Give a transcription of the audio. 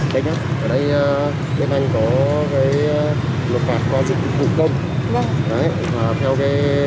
đây nhé ở đây bên anh có cái nộp phạt qua dịch vụ công